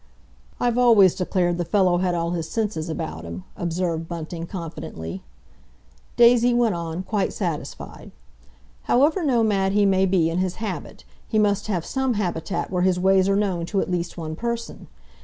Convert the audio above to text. "I've always declared the fellow had all his senses about him," observed Bunting confidently. Daisy went on, quite satisfied: "—however nomad he may be in his habit; must have some habitat where his ways are known to at least one person.